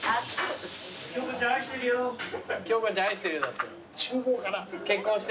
京子ちゃん愛してるよだって。